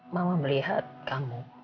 mama melihat kamu